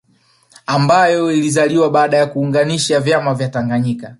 Ambayo ilizaliwa baada ya kuunganisha vyama vya Tanganyika